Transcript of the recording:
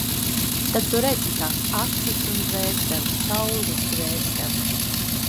Tad tu redzi tās acis un dvēseli, Saules Dvēseli.